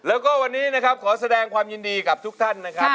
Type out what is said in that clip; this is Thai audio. แล้วก็วันนี้นะครับขอแสดงความยินดีกับทุกท่านนะครับ